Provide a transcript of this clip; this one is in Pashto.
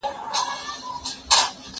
ځواب د زده کوونکي له خوا ليکل کيږي؟!